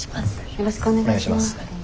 よろしくお願いします。